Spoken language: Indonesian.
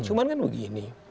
cuman kan rugi ini